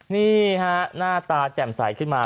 นี่ฮะหน้าตาแจ่มใสขึ้นมา